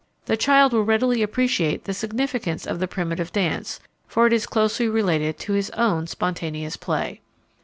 The child will readily appreciate the significance of the primitive dance, for it is closely related to his own spontaneous play.